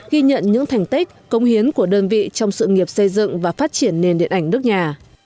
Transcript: ghi nhận những thành tích công hiến của đơn vị trong sự nghiệp xây dựng và phát triển nền điện ảnh nước nhà